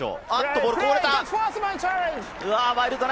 ボールがこぼれた！